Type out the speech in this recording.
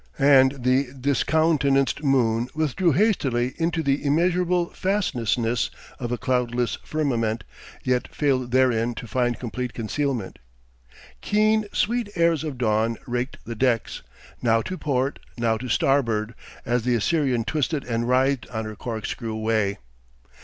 And the discountenanced moon withdrew hastily into the immeasurable fastnessness of a cloudless firmament, yet failed therein to find complete concealment. Keen, sweet airs of dawn raked the decks, now to port, now to starboard, as the Assyrian twisted and writhed on her corkscrew way.